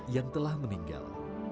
yang telah meninggal